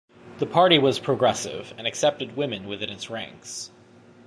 The party was progressive and accepted women within its ranks.